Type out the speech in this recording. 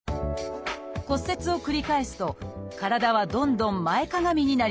骨折を繰り返すと体はどんどん前かがみになります。